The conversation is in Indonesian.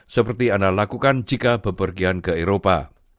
seperti anda lakukan jika bepergian ke eropa